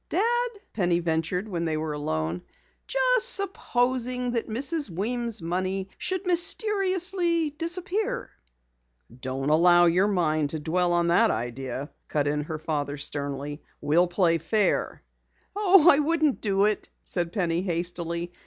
"Dad," Penny ventured when they were alone, "just supposing that Mrs. Weems' money should mysteriously disappear " "Don't allow your mind to dwell on that idea," cut in her father sternly. "We'll play fair." "Oh, I wouldn't do it," said Penny hastily.